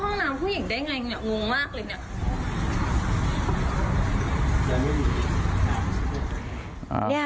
ห้องน้ำผู้หญิงได้ไงเนี่ยงงมากเลยเนี่ย